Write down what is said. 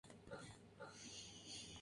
Salcedo Bastardo y Dionisio López Orihuela.